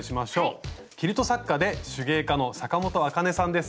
キルト作家で手芸家の阪本あかねさんです。